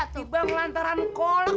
tiba ngelantaran kolak